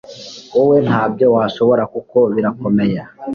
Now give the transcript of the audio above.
wowe ntabyo washobora kuko birakomeye